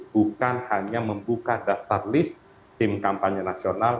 bukan hanya membuka daftar list tim kampanye nasional